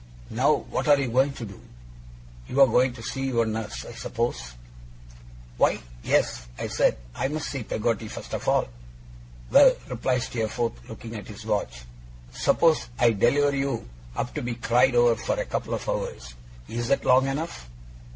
Now what are you going to do? You are going to see your nurse, I suppose?' 'Why, yes,' I said, 'I must see Peggotty first of all.' 'Well,' replied Steerforth, looking at his watch. 'Suppose I deliver you up to be cried over for a couple of hours. Is that long enough?